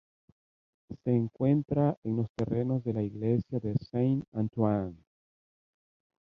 Se encuentra en los terrenos de la iglesia de "Saint Antoine".